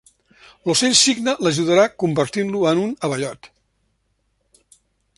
L'Ocell Cigne l'ajudarà convertint-lo en un abellot.